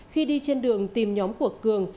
khi đi trên đường tìm nhóm của cường